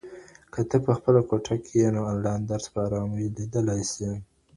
که ته په خپله کوټه کي یې نو آنلاین درس په ارامۍ لیدلای سې.